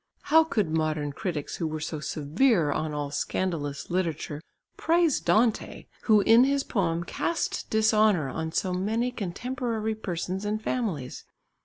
How could modern critics who were so severe on all scandalous literature praise Dante, who in his poem cast dishonour on so many contemporary persons and families?